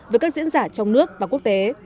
với các diễn giả trong nước và quốc tế